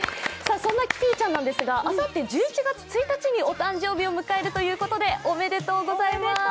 そんなキティちゃんなんですが、あさって１１月１日にお誕生日を迎えるということでおめでとうございます。